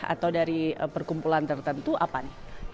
atau dari perkumpulan tertentu apa nih